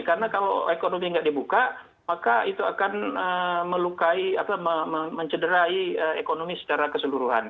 karena kalau economy nggak dibuka maka itu akan melukai atau mencederai ekonomi secara keseluruhan